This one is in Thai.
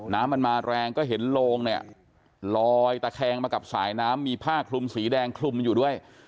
น้ำมันมาแรงก็เห็นโลงเนี่ยลอยตะแคงมากับสายน้ำมีผ้าคลุมสีแดงคลุมอยู่ด้วย